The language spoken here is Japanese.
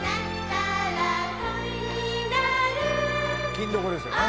『欽どこ』ですよね。